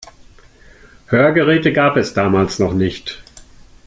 Hörgeräte gab es damals noch nicht.